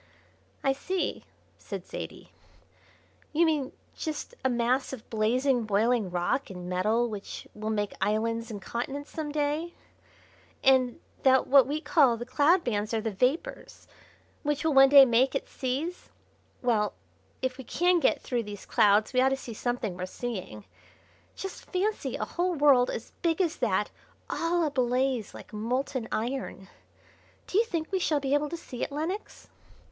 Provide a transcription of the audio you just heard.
"I see," said Zaidie, "you mean just a mass of blazing, boiling rock and metal which will make islands and continents some day; and that what we call the cloud bands are the vapours which will one day make its seas. Well, if we can get through these clouds we ought to see something worth seeing. Just fancy a whole world as big as that all ablaze like molten iron! Do you think we shall be able to see it, Lenox?"